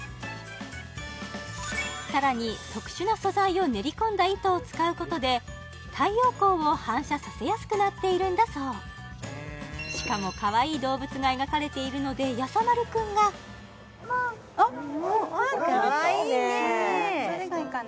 さらに特殊な素材を練り込んだ糸を使うことで太陽光を反射させやすくなっているんだそうしかもかわいい動物が描かれているのでやさ丸くんがあどれがいいかな？